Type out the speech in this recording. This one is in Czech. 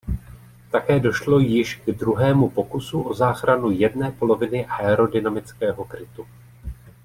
Také došlo již k druhému pokusu o záchranu jedné poloviny aerodynamického krytu.